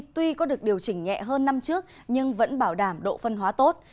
tuy có được điều chỉnh nhẹ hơn năm trước nhưng vẫn bảo đảm độ phân hóa tốt